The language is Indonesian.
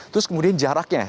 terus kemudian jaraknya